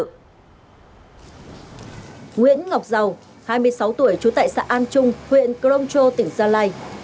nguyễn ngọc giàu hai mươi sáu tuổi chú tại xã an trung huyện croncho tỉnh gia lai